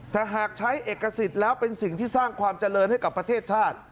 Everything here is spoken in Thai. แต่หากใช้เอกสิทธิ์แล้วเป็นสิ่งที่สร้างความเจริญให้กับประเทศชาติ